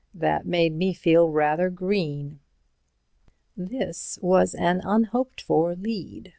That made me feel rather green." This was an unhoped for lead.